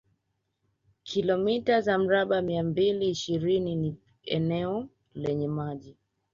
Kilomita za mraba mia mbili ishirini ni eneo lenye maji